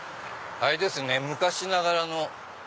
あれですね昔ながらの。